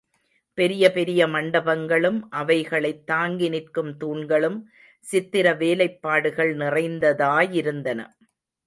பெரிய பெரிய மண்டபங்களும் அவைகளைத் தாங்கி நிற்கும் தூண்களும் சித்திரவேலைப்பாடுகள் நிறைந்ததாயிருந்தன.